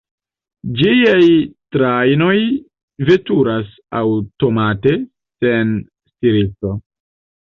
Ĝiaj trajnoj veturas aŭtomate, sen stiristo.